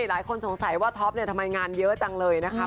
หลายคนสงสัยว่าท็อปทำไมงานเยอะจังเลยนะคะ